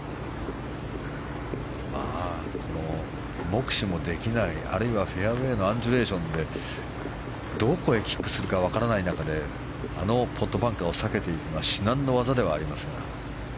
目視もできないあるいはフェアウェーのアンジュレーションでどこへキックするか分からない中であのポットバンカーを避けていくのは至難の業ではありますが。